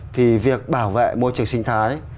thì việc bảo vệ môi trường sinh thái